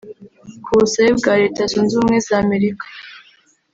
Ku busabe bwa Leta Zunze Ubumwe za Amerika